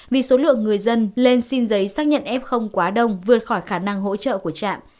vì số lượng người dân lên xin giấy xác nhận f quá đông vượt khỏi khả năng hỗ trợ của trạm